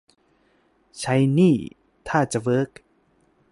ใช้นี่ ท่าจะเวิร์ก